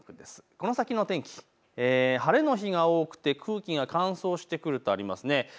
この先の天気、晴れの日が多くて空気が乾燥してくるとあります。